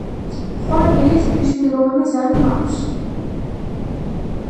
ხვალ დილით მნიშვნელოვანი ზარი მაქვს.